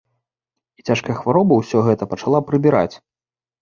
І цяжкая хвароба ўсё гэта пачала прыбіраць.